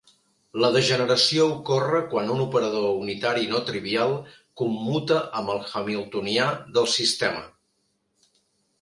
La degeneració ocorre quan un operador unitari no trivial commuta amb el hamiltonià del sistema.